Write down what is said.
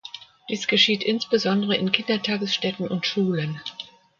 Dies geschieht insbesondere in Kindertagesstätten und Schulen.